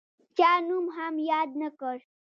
چا نوم هم یاد نه کړ.